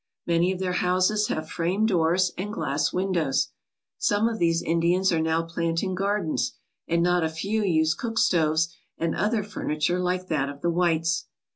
Many of their houses have frame doors and glass windows. Some of these Indians are now planting gardens, and not a few use cook stoves and other furniture like that of the whites.